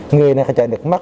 người này có thể chạy nước mắt